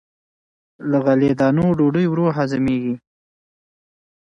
له غلې- دانو ډوډۍ ورو هضمېږي.